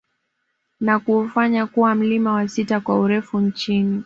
Na kuufanya kuwa mlima wa sita kwa urefu nchini